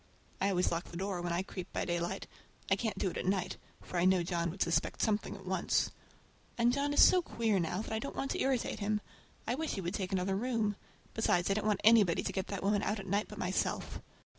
I always lock the door when I creep by daylight. I can't do it at night, for I know John would suspect something at once. And John is so queer now, that I don't want to irritate him. I wish he would take another room! Besides, I don't want anybody to get that woman out at night but myself.